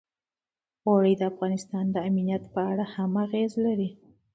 اوړي د افغانستان د امنیت په اړه هم اغېز لري.